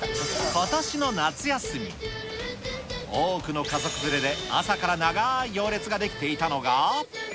ことしの夏休み、多くの家族連れで朝から長ーい行列が出来ていたのが。